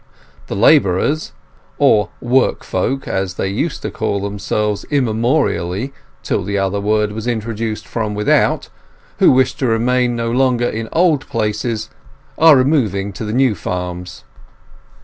The labourers—or "work folk", as they used to call themselves immemorially till the other word was introduced from without—who wish to remain no longer in old places are removing to the new farms.